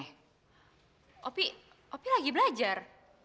oh pi oh pi lagi belajar